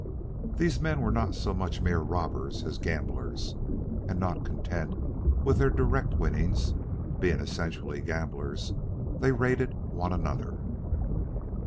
These men were not so much mere robbers as gamblers. And, not content with their direct winnings, being essentially gamblers, they raided one another.